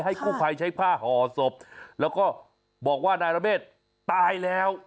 กู้ภัยใช้ผ้าห่อศพแล้วก็บอกว่านายระเมฆตายแล้ว